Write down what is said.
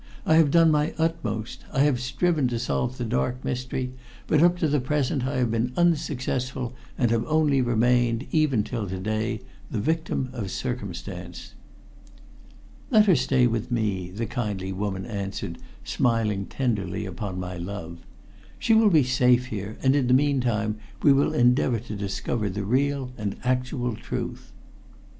I have done my utmost: I have striven to solve the dark mystery, but up to the present I have been unsuccessful, and have only remained, even till to day, the victim of circumstance." "Let her stay with me," the kindly woman answered, smiling tenderly upon my love. "She will be safe here, and in the meantime we will endeavor to discover the real and actual truth."